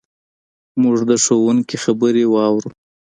موږ د ښوونکي خبرې واورو.